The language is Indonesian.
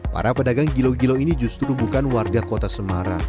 para pedagang gilo gilo ini justru bukan warga kota semarang